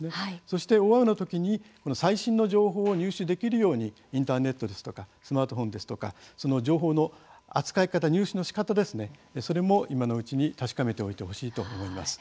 そして、大雨のときに最新の情報を入手できるようにインターネットですとかスマートフォンですとかその情報の扱い方、入手のしかたそれも今のうちに確かめておいてほしいと思います。